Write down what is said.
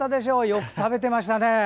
よく食べてましたね。